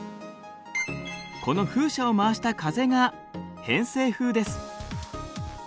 この風車を回した風が偏西風です。